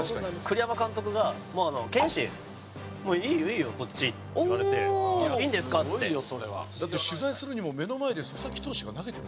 栗山監督が「拳士いいよいいよこっち」って言われて「いいんですか？」って。だって取材するにも目の前で佐々木投手が投げてるんですもんね。